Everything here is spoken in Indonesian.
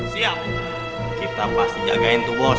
siap kita pasti jagain tuh bos